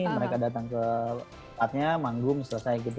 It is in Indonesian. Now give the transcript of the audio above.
mereka datang ke patnya manggung selesai gitu